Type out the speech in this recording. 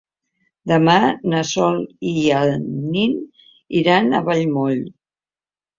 Demà na Sol i en Nil iran a Vallmoll.